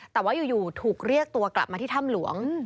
แต่ว่าอยู่ถูกเรียกตัวกลับมาที่ถ้ำหลวง